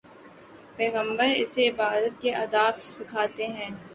پیغمبر اسے عبادت کے آداب سکھاتے ہیں۔